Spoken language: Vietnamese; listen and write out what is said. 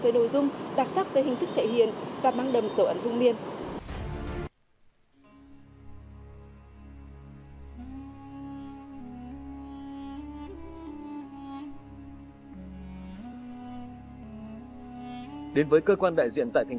đặc sắc về hình thức thể hiện và mang đầm dấu ẩn vương miên